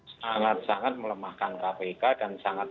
sangat sangat melemahkan kpk dan sangat